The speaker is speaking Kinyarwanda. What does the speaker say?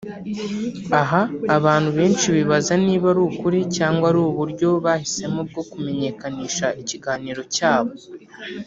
Aha abantu benshi bibaza niba ari ukuri cyangwa ari uburyo bahisemo bwo kumenyekanisha ikiganiro cyabo